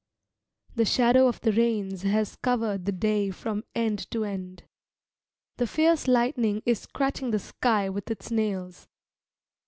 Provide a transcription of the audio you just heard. The shadow of the rains has covered the day from end to end. The fierce lightning is scratching the sky with its nails.